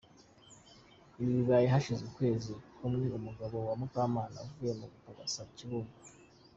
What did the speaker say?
Ibi bibaye hashize ukwezi kumwe umugabo wa Mukanama avuye gupagasa I Kibungo.